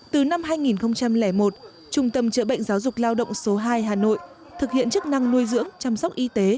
từ năm hai nghìn một trung tâm chữa bệnh giáo dục lao động số hai hà nội thực hiện chức năng nuôi dưỡng chăm sóc y tế